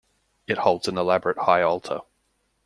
It holds an elaborate high altar.